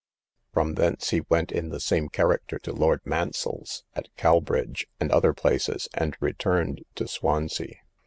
From thence he went in the same character to Lord Mansell's, at Cowbridge, and other places, and returned to Swansea.